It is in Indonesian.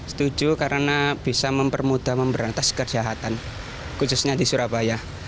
setuju karena bisa mempermudah memberantas kejahatan khususnya di surabaya